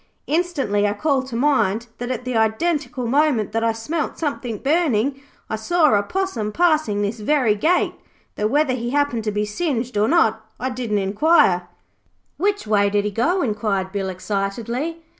Instantly I call to mind that at the identical moment that I smelt something burning, I saw a possum passing this very gate, though whether he happened to be singed or not I didn't inquire.' 'Which way did he go?' inquired Bill excitedly.